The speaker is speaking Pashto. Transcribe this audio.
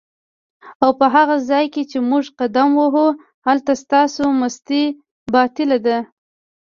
اوپه هغه ځای کی چی موږ قدم وهو هلته ستاسو مستی باطیله ده